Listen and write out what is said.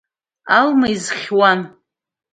Алма изхьуан…